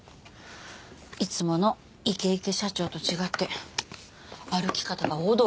いつものイケイケ社長と違って歩き方がおどおどしてたって。